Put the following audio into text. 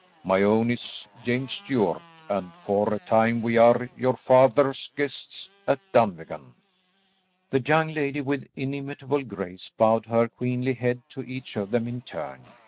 My own name is James Stuart, and for a time we are your father's guests at Dunvegan." The young lady with inimitable grace bowed her queenly head to each of them in turn.